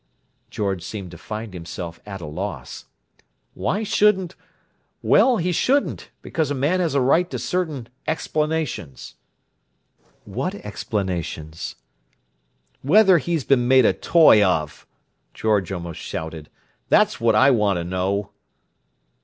George seemed to find himself at a loss. "Why shouldn't—Well, he shouldn't, because a man has a right to certain explanations." "What explanations?" "Whether he's been made a toy of!" George almost shouted. "That's what I want to know!"